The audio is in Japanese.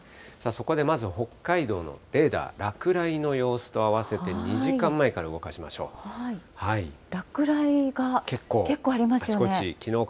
そこでまず北海道のレーダー、落雷の様子と合わせて２時間前から動かしましょう。